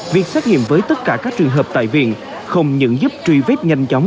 việc xét nghiệm với tất cả các trường hợp tại viện không những giúp truy vết nhanh chóng